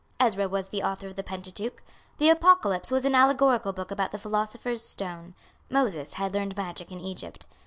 Ezra was the author of the Pentateuch. The Apocalypse was an allegorical book about the philosopher's stone. Moses had learned magic in Egypt.